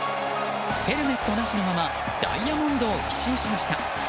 ヘルメットなしのままダイヤモンドを１周しました。